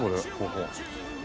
ここ。